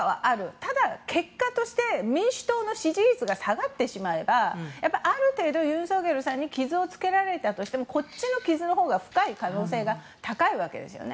ただ、結果として民主党の支持率が下がってしまえばやっぱりある程度ユン・ソクヨルさんに傷をつけられたとしてもこっちの傷のほうが深い可能性が高いわけですよね。